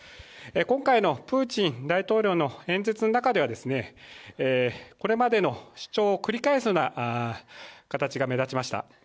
今回のプーチン大統領の演説の中では、これまでの主張を繰り返すような形が目立ちました。